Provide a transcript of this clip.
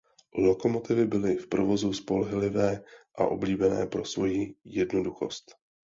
Lokomotivy byly v provozu spolehlivé a oblíbené pro svoji jednoduchost.